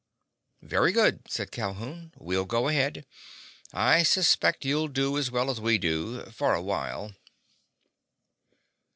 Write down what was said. "Very good," said Calhoun. "We'll go ahead. I suspect you'll do as well as we do—for a while."